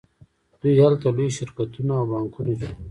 دوی هلته لوی شرکتونه او بانکونه جوړوي